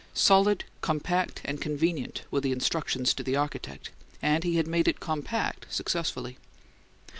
"Solid, compact, and convenient" were the instructions to the architect, and he had made it compact successfully.